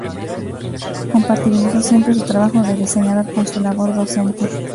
Compatibilizó siempre su trabajo de diseñador con su labor docente.